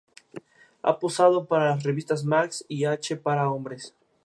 Ha posado para las revistas Max y H para hombres.